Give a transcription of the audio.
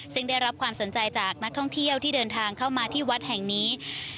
ซึ่งได้รับความสนใจจากนักท่องเที่ยวที่เดินทางเข้ามาที่วัดแห่งนี้